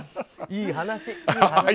いい話。